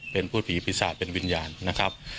เป็นพูดผีปีศาจเป็นวิญญาณนะครับ